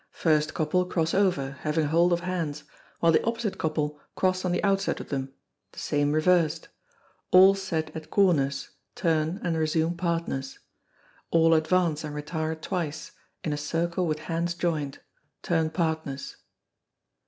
First couple cross over, having hold of hands, while the opposite couple cross on the outside of them the same reversed. All set at corners, turn, and resume partners. All advance and retire twice, in a circle with hands joined turn partners.